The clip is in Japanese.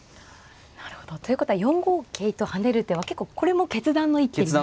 なるほど。ということは４五桂と跳ねる手は結構これも決断の一手になってしまうと。